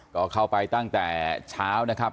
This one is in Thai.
ก็เข้าไปตั้งแต่เช้านะครับ